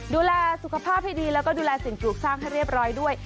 ดูแลสุขภาพให้ดีแล้วก็ดูแลสิ่งปลูกสร้างให้เรียบร้อยด้วย